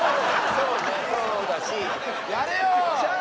そうだしやれよー！